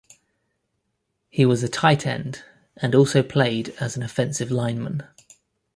He was a tight end and also played as an offensive lineman.